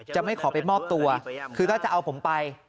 ไม่ขอไปมอบตัวคือก็จะเอาผมไป